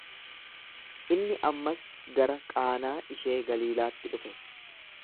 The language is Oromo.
Inni ammas gara Qaanaa ishee Galiilaatti dhufe.